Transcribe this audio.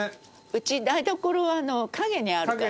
うち台所は陰にあるから。